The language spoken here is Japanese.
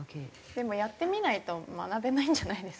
でもやってみないと学べないんじゃないですか結局。